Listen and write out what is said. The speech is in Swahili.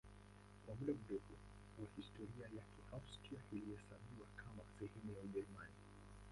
Kwa muda mrefu wa historia yake Austria ilihesabiwa kama sehemu ya Ujerumani.